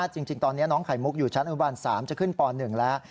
จริงตอนนี้น้องไข่มุกอยู่ชั้นอนุบาล๓จะขึ้นป๑แล้ว